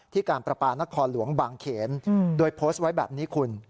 การประปานครหลวงบางเขนโดยโพสต์ไว้แบบนี้คุณ